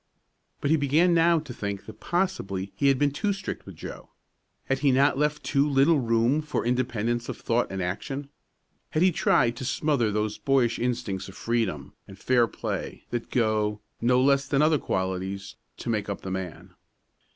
But he began now to think that possibly he had been too strict with Joe. Had he not left too little room for independence of thought and action? Had he tried to smother those boyish instincts of freedom and fair play that go, no less than other qualities, to make up the man?